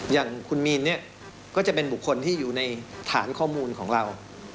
อย่างคุณมีนเนี่ยก็จะเป็นบุคคลที่อยู่ในฐานข้อมูลของเรา